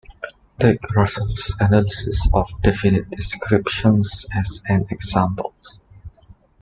Take Russell's analysis of definite descriptions as an example.